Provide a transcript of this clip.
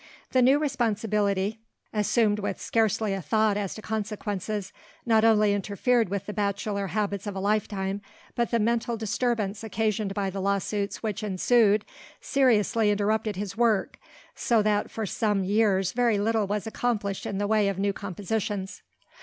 The new responsibility, assumed with scarcely a thought as to consequences, not only interfered with the bachelor habits of a lifetime, but the mental disturbance occasioned by the lawsuits which ensued, seriously interrupted his work, so that for some years very little was accomplished in the way of new compositions.